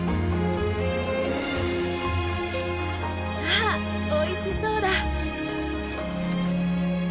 わぁおいしそうだ。